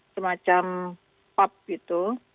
semacam pub gitu